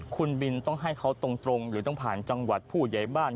คุณบินต้องให้เขาตรงหรือต้องผ่านจังหวัดผู้ใหญ่บ้าน